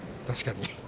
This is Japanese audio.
確かに。